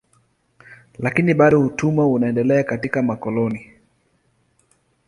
Lakini bado utumwa uliendelea katika makoloni.